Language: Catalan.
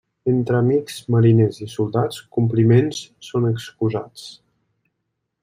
Entre amics, mariners i soldats, compliments són excusats.